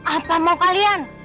apa mau kalian